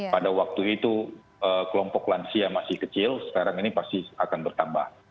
pada waktu itu kelompok lansia masih kecil sekarang ini pasti akan bertambah